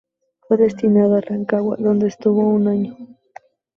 Fue destinado a Rancagua, donde estuvo un año.